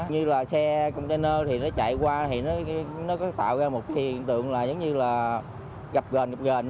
như là xe container thì nó chạy qua thì nó có tạo ra một khiên tượng là giống như là gập gền gập gền